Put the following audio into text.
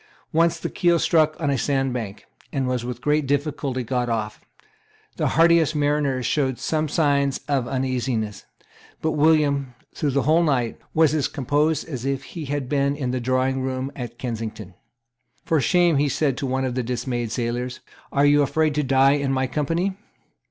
Once the keel struck on a sand bank, and was with great difficulty got off. The hardiest mariners showed some signs of uneasiness. But William, through the whole night, was as composed as if he had been in the drawingroom at Kensington. "For shame," he said to one of the dismayed sailors "are you afraid to die in my company?"